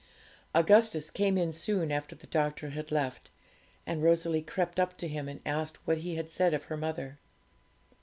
Augustus came in soon after the doctor had left; and Rosalie crept up to him, and asked what he had said of her mother.